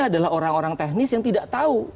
adalah orang orang teknis yang tidak tahu